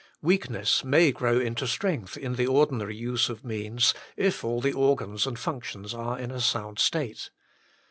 Weakness may grow into strength in the ordinary use of means, if all the organs and functions are in a sound state.